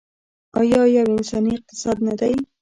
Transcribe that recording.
آیا یو انساني اقتصاد نه دی؟